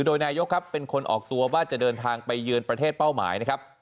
โดยนายกครับเป็นคนออกตัวว่าจะเดินทางไปเยือนประเทศเป้าหมายนะครับ